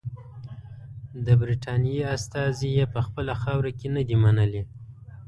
د برټانیې استازي یې په خپله خاوره کې نه دي منلي.